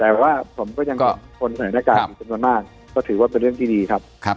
แต่ว่าผมก็ยังเห็นคนใส่หน้ากากอีกส่วนมากก็ถือว่าเป็นเรื่องที่ดีครับ